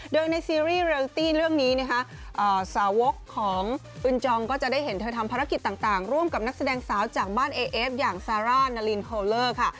โดยในซีรีส์เรลตี้เรื่องนี้นะคะสาวกของอึนจองก็จะได้เห็นเธอทำภารกิจต่างร่วมกับนักแสดงสาวจากบ้านเอเอฟอย่างซาร่านารินโคเลอร์ค่ะ